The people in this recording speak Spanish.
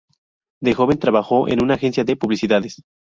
De joven trabajó en una agencia de publicidades.